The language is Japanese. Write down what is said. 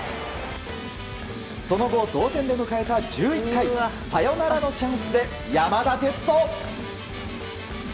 その後、同点で迎えた１１回サヨナラのチャンスで、山田哲人。